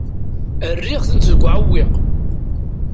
Rriɣ-tent deg uɛewwiq.